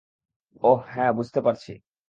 ওহ, হ্যাঁ, বুঝতে পারছি।